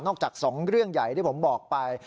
จาก๒เรื่องใหญ่ที่ผมบอกไป